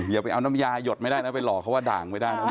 อย่าไปเอาน้ำยาหยดไม่ได้นะไปหลอกเขาว่าด่างไม่ได้นะ